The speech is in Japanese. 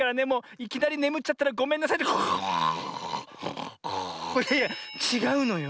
いやいやちがうのよ。